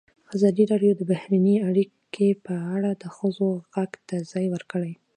ازادي راډیو د بهرنۍ اړیکې په اړه د ښځو غږ ته ځای ورکړی.